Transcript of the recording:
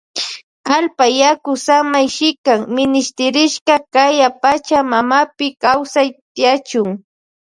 Allpa yaku samay shikan minishtirishka kaya pacha mamapi kawsay tiyachun.